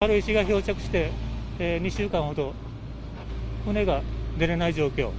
軽石が漂着して２週間ほど、船が出れない状況。